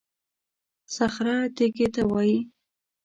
صخره تېږې ته وایي.